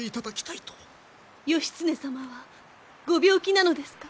義経様はご病気なのですか？